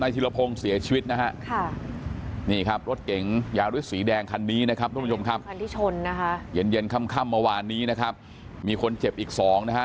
เย็นค่ำเมื่อวานนี้นะครับมีคนเจ็บอีก๒นะฮะ